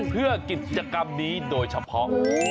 เพื่อกิจกรรมนี้โดยเฉพาะ